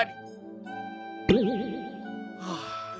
はあ。